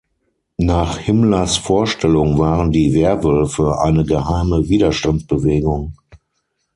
Nach Himmlers Vorstellung waren die „Werwölfe“ eine geheime Widerstandsbewegung.